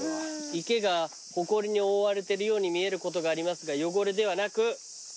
「池がホコリに覆われてるように見えることがありますが汚れではなく」